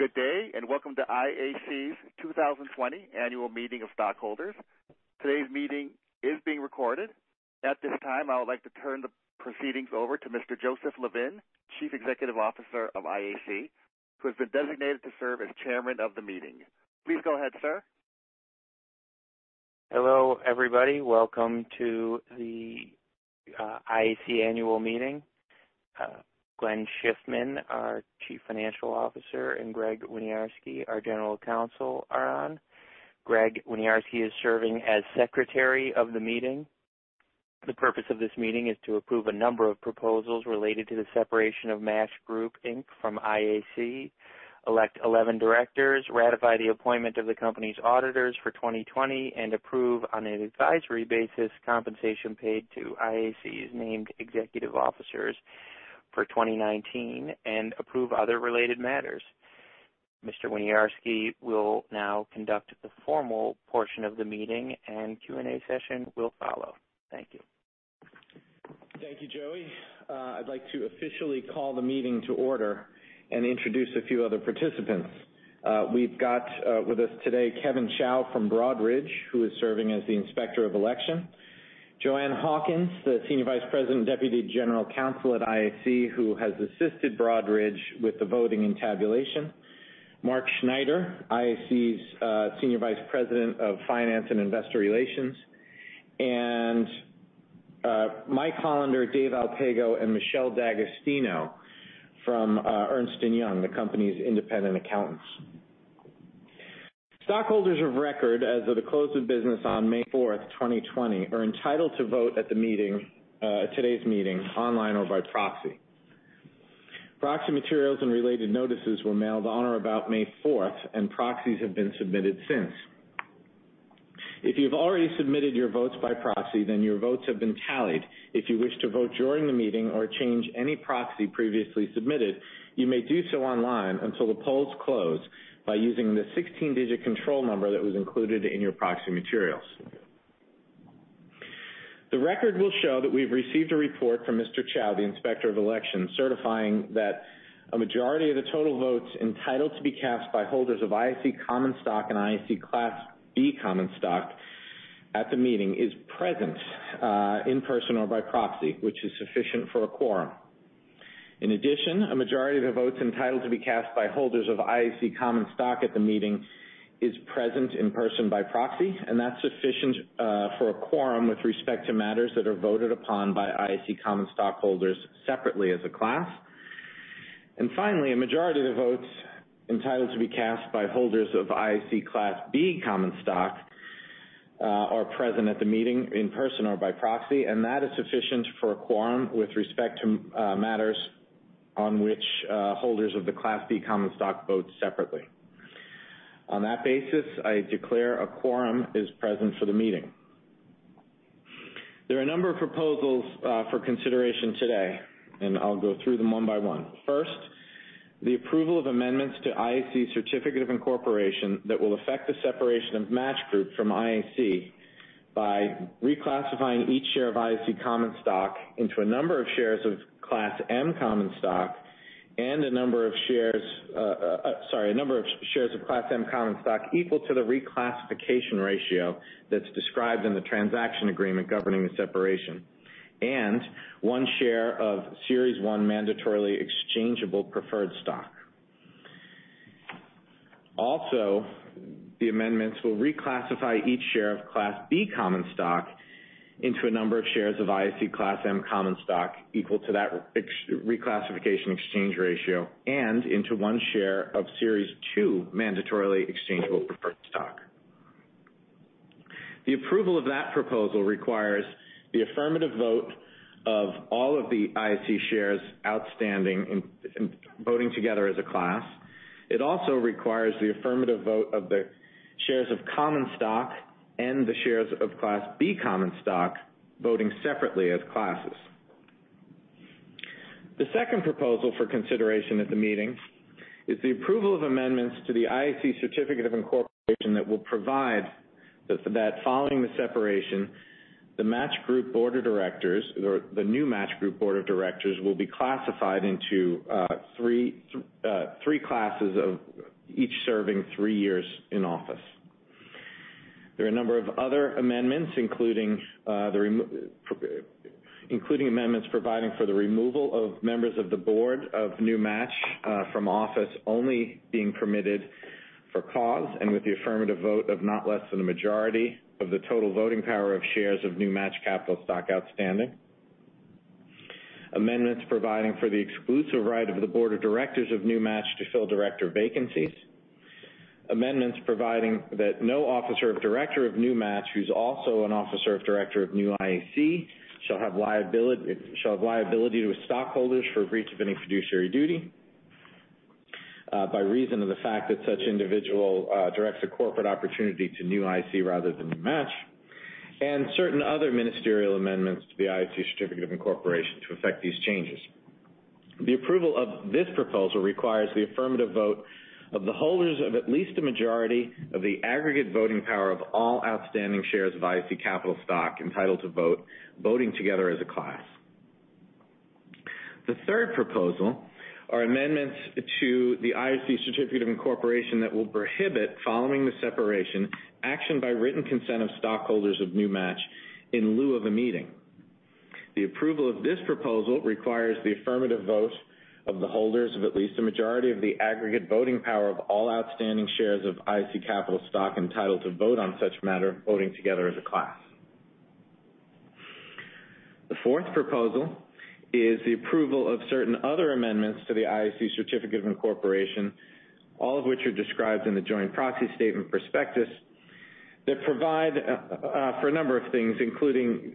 Good day, and welcome to IAC's 2020 annual meeting of stockholders. Today's meeting is being recorded. At this time, I would like to turn the proceedings over to Mr. Joseph Levin, Chief Executive Officer of IAC, who has been designated to serve as chairman of the meeting. Please go ahead, sir. Hello, everybody. Welcome to the IAC annual meeting. Glenn Schiffman, our Chief Financial Officer, and Gregg Winiarski, our General Counsel, are on. Gregg Winiarski is serving as Secretary of the meeting. The purpose of this meeting is to approve a number of proposals related to the separation of Match Group, Inc from IAC, elect 11 directors, ratify the appointment of the company's auditors for 2020, and approve on an advisory basis compensation paid to IAC's named executive officers for 2019, and approve other related matters. Mr. Winiarski will now conduct the formal portion of the meeting, and Q&A session will follow. Thank you. Thank you, Joey. I'd like to officially call the meeting to order and introduce a few other participants. We've got with us today Kevin Chao from Broadridge, who is serving as the Inspector of Election, Joanne Hawkins, the Senior Vice President and Deputy General Counsel at IAC, who has assisted Broadridge with the voting and tabulation, Mark Schneider, IAC's Senior Vice President of Finance and Investor Relations, and Mike Hollander, Dave Alpago, and Michelle D'Agostino from Ernst & Young, the company's independent accountants. Stockholders of record as of the close of business on May 4th, 2020, are entitled to vote at today's meeting online or by proxy. Proxy materials and related notices were mailed on or about May 4th, and proxies have been submitted since. If you've already submitted your votes by proxy, then your votes have been tallied. If you wish to vote during the meeting or change any proxy previously submitted, you may do so online until the polls close by using the 16-digit control number that was included in your proxy materials. The record will show that we've received a report from Mr. Chao, the Inspector of Election, certifying that a majority of the total votes entitled to be cast by holders of IAC common stock and IAC Class B common stock at the meeting is present, in-person or by proxy, which is sufficient for a quorum. In addition, a majority of the votes entitled to be cast by holders of IAC common stock at the meeting is present in person by proxy, and that's sufficient for a quorum with respect to matters that are voted upon by IAC common stockholders separately as a class. Finally, a majority of the votes entitled to be cast by holders of IAC Class B common stock are present at the meeting in person or by proxy, and that is sufficient for a quorum with respect to matters on which holders of the Class B common stock vote separately. On that basis, I declare a quorum is present for the meeting. There are a number of proposals for consideration today, and I'll go through them one by one. First, the approval of amendments to IAC certificate of incorporation that will affect the separation of Match Group from IAC by reclassifying each share of IAC common stock into a number of shares of Class M common stock equal to the reclassification ratio that's described in the transaction agreement governing the separation, and one share of Series 1 mandatorily exchangeable preferred stock. The amendments will reclassify each share of Class B common stock into a number of shares of IAC Class M common stock equal to that reclassification exchange ratio and into one share of Series 2 mandatorily exchangeable preferred stock. The approval of that proposal requires the affirmative vote of all of the IAC shares outstanding voting together as a class. It also requires the affirmative vote of the shares of common stock and the shares of Class B common stock voting separately as classes. The second proposal for consideration at the meeting is the approval of amendments to the IAC certificate of incorporation that will provide that following the separation, the New Match Group board of directors will be classified into 3 classes of each serving three years in office. There are a number of other amendments, including amendments providing for the removal of members of the board of New Match from office only being permitted for cause and with the affirmative vote of not less than a majority of the total voting power of shares of New Match capital stock outstanding. Amendments providing for the exclusive right of the board of directors of Match Group to fill director vacancies. Amendments providing that no officer or director of Match Group who's also an officer or director of New IAC shall have liability to its stockholders for breach of any fiduciary duty by reason of the fact that such individual directs a corporate opportunity to New IAC rather than Match Group, and certain other ministerial amendments to the IAC certificate of incorporation to affect these changes. The approval of this proposal requires the affirmative vote of the holders of at least a majority of the aggregate voting power of all outstanding shares of IAC capital stock entitled to vote, voting together as a class. The third proposal are amendments to the IAC certificate of incorporation that will prohibit, following the separation, action by written consent of stockholders of New Match in lieu of a meeting. The approval of this proposal requires the affirmative vote of the holders of at least a majority of the aggregate voting power of all outstanding shares of IAC capital stock entitled to vote on such matter, voting together as a class. The fourth proposal is the approval of certain other amendments to the IAC certificate of incorporation, all of which are described in the joint proxy statement prospectus, that provide for a number of things, including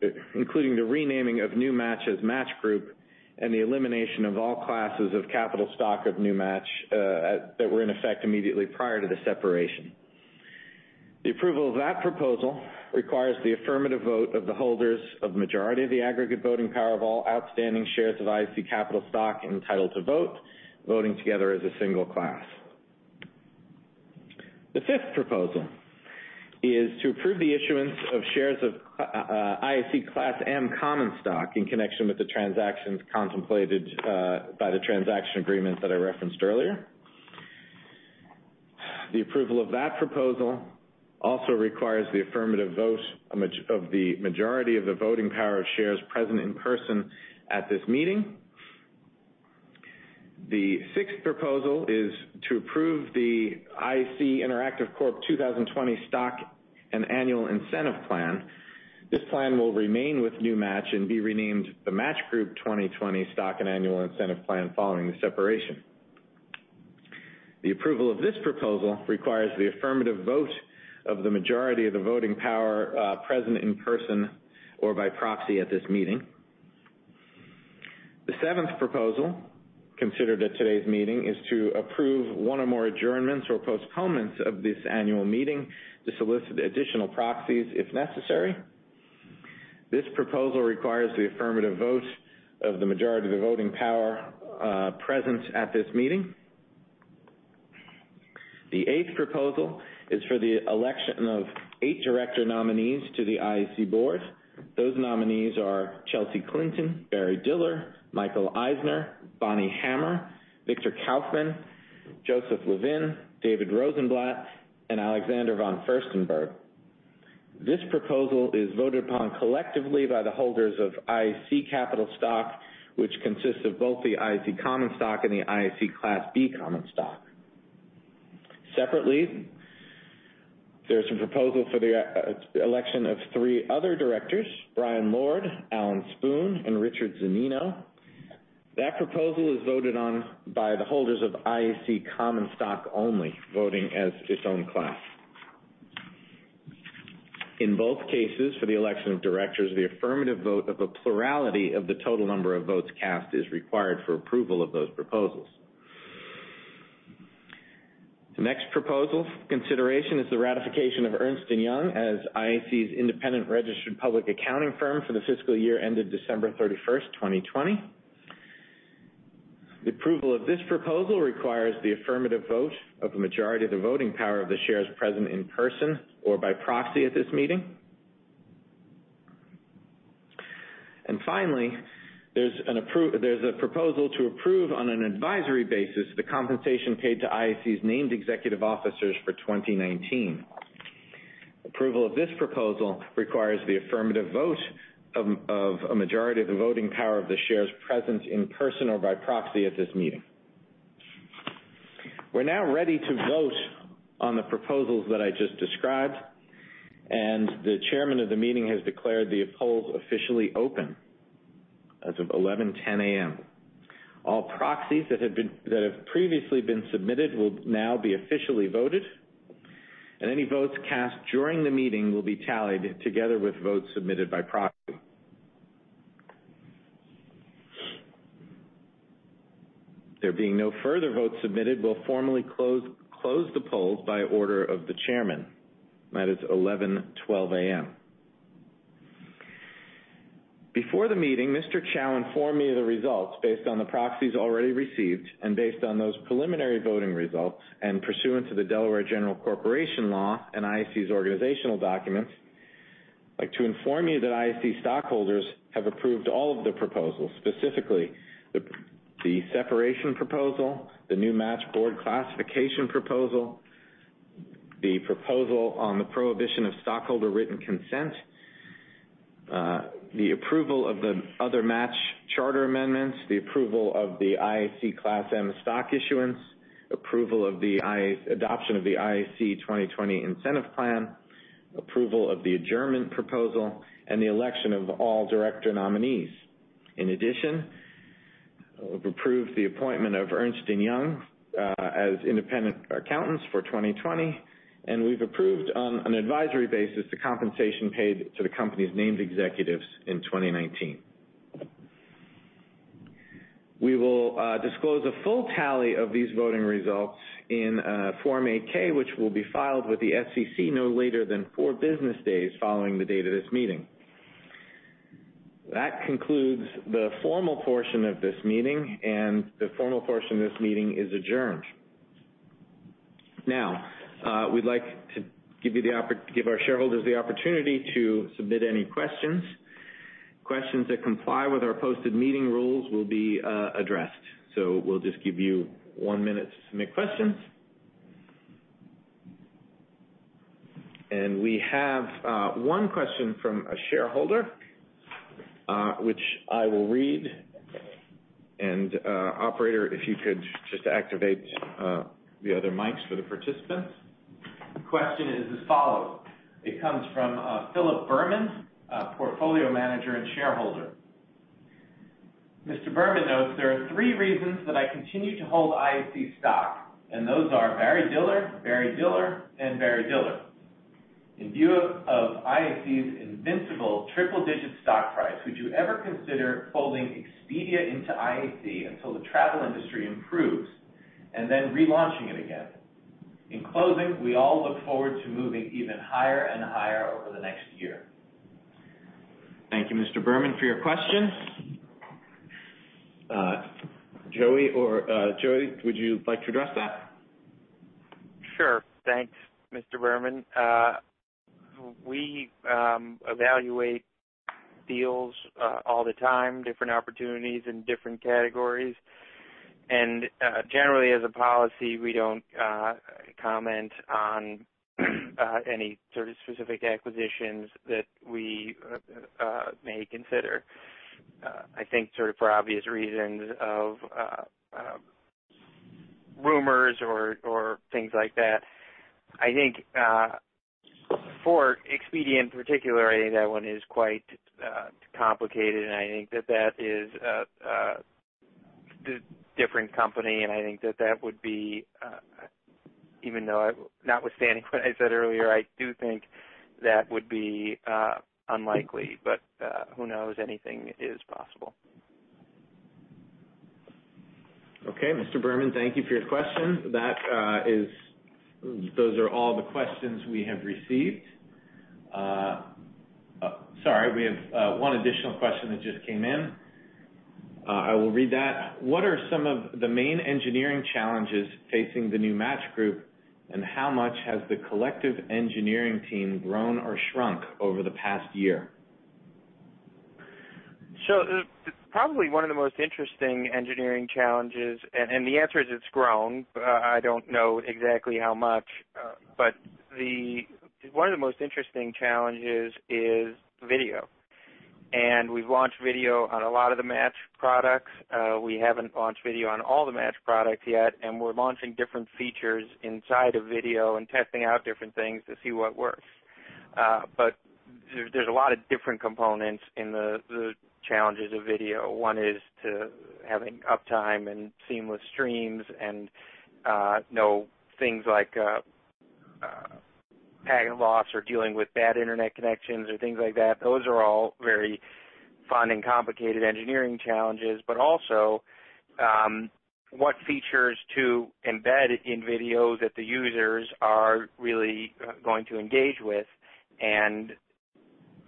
the renaming of New Match as Match Group and the elimination of all classes of capital stock of New Match that were in effect immediately prior to the separation. The approval of that proposal requires the affirmative vote of the holders of the majority of the aggregate voting power of all outstanding shares of IAC capital stock entitled to vote, voting together as a single class. The fifth proposal is to approve the issuance of shares of IAC Class M common stock in connection with the transactions contemplated by the transaction agreements that I referenced earlier. The approval of that proposal also requires the affirmative vote of the majority of the voting power of shares present in person at this meeting. The sixth proposal is to approve the IAC/InterActiveCorp 2020 Stock and Annual Incentive Plan. This plan will remain with New Match and be renamed the Match Group 2020 Stock and Annual Incentive Plan following the separation. The approval of this proposal requires the affirmative vote of the majority of the voting power present in person or by proxy at this meeting. The seventh proposal considered at today's meeting is to approve one or more adjournments or postponements of this annual meeting to solicit additional proxies if necessary. This proposal requires the affirmative vote of the majority of the voting power present at this meeting. The eighth proposal is for the election of eight director nominees to the IAC board. Those nominees are Chelsea Clinton, Barry Diller, Michael Eisner, Bonnie Hammer, Victor Kaufman, Joseph Levin, David Rosenblatt, and Alexander von Furstenberg. This proposal is voted upon collectively by the holders of IAC capital stock, which consists of both the IAC common stock and the IAC Class B common stock. Separately, there's a proposal for the election of three other directors, Bryan Lourd, Alan Spoon, and Richard Zannino. That proposal is voted on by the holders of IAC common stock only, voting as its own class. In both cases, for the election of directors, the affirmative vote of a plurality of the total number of votes cast is required for approval of those proposals. The next proposal for consideration is the ratification of Ernst & Young as IAC's independent registered public accounting firm for the fiscal year ended December 31st, 2020. The approval of this proposal requires the affirmative vote of the majority of the voting power of the shares present in person or by proxy at this meeting. Finally, there's a proposal to approve, on an advisory basis, the compensation paid to IAC's named executive officers for 2019. Approval of this proposal requires the affirmative vote of a majority of the voting power of the shares present in person or by proxy at this meeting. We're now ready to vote on the proposals that I just described, and the chairman of the meeting has declared the polls officially open as of 11:10 A.M. All proxies that have previously been submitted will now be officially voted, and any votes cast during the meeting will be tallied together with votes submitted by proxy. There being no further votes submitted, we'll formally close the polls by order of the chairman. That is 11:12 A.M. Before the meeting, Mr. Chao informed me of the results based on the proxies already received. Based on those preliminary voting results and pursuant to the Delaware General Corporation Law and IAC's organizational documents, I'd like to inform you that IAC stockholders have approved all of the proposals, specifically the separation proposal, the New Match board classification proposal, the proposal on the prohibition of stockholder written consent, the approval of the other Match charter amendments, the approval of the IAC Class M stock issuance, approval of the adoption of the IAC 2020 Incentive Plan, approval of the adjournment proposal, and the election of all director nominees. In addition, we've approved the appointment of Ernst & Young as independent accountants for 2020, and we've approved on an advisory basis the compensation paid to the company's named executives in 2019. We will disclose a full tally of these voting results in a Form 8-K, which will be filed with the SEC no later than four business days following the date of this meeting. That concludes the formal portion of this meeting, and the formal portion of this meeting is adjourned. We'd like to give our shareholders the opportunity to submit any questions. Questions that comply with our posted meeting rules will be addressed. We'll just give you one minute to submit questions. We have one question from a shareholder, which I will read. Operator, if you could just activate the other mics for the participants. The question is as follows. It comes from Philip Berman, a portfolio manager and shareholder. Mr. Berman notes, "There are three reasons that I continue to hold IAC stock, and those are Barry Diller, Barry Diller, and Barry Diller. In view of IAC's invincible triple-digit stock price, would you ever consider folding Expedia into IAC until the travel industry improves, and then relaunching it again? In closing, we all look forward to moving even higher and higher over the next year. Thank you, Mr. Berman, for your question. Joey, would you like to address that? Sure. Thanks, Mr. Berman. We evaluate deals all the time, different opportunities in different categories. Generally, as a policy, we don't comment on any sort of specific acquisitions that we may consider. I think for obvious reasons of rumors or things like that. I think for Expedia in particular, I think that one is quite complicated, and I think that is a different company, and I think that would be, notwithstanding what I said earlier, I do think that would be unlikely. Who knows? Anything is possible. Okay. Mr. Berman, thank you for your question. Those are all the questions we have received. Sorry, we have one additional question that just came in. I will read that. What are some of the main engineering challenges facing the New Match Group, and how much has the collective engineering team grown or shrunk over the past year? Probably one of the most interesting engineering challenges, and the answer is it's grown. I don't know exactly how much. One of the most interesting challenges is video. We've launched video on a lot of the Match products. We haven't launched video on all the Match products yet, and we're launching different features inside of video and testing out different things to see what works. There's a lot of different components in the challenges of video. One is to having uptime and seamless streams and things like packet loss or dealing with bad internet connections or things like that. Those are all very fun and complicated engineering challenges. Also, what features to embed in video that the users are really going to engage with.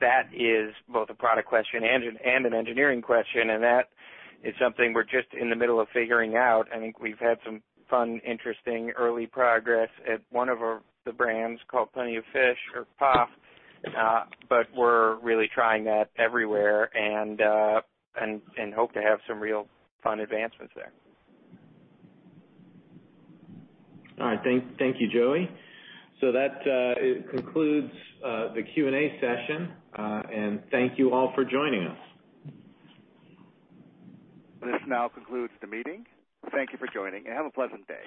That is both a product question and an engineering question, and that is something we're just in the middle of figuring out. I think we've had some fun, interesting early progress at one of the brands called Plenty of Fish or POF, but we're really trying that everywhere and hope to have some real fun advancements there. All right. Thank you, Joey. That concludes the Q&A session. Thank you all for joining us. This now concludes the meeting. Thank you for joining, and have a pleasant day.